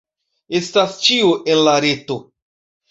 Estas ĉio en la reto.